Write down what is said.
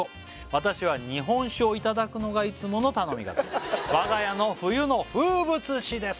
「私は日本酒をいただくのがいつもの頼み方」「我が家の冬の風物詩です」